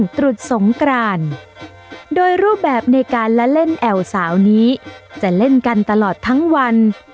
ตรุษสงกรานโดยรูปแบบในการละเล่นแอวสาวนี้จะเล่นกันตลอดทั้งวัน